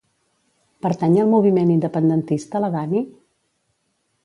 Pertany al moviment independentista la Dani?